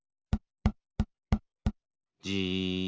じ。